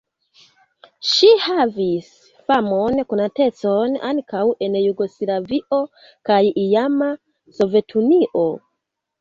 Ŝi havis famon, konatecon ankaŭ en Jugoslavio kaj iama Sovetunio.